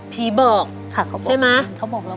ผีบอก